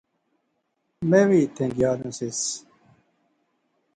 میں وی ایتھیں گیا نا سیس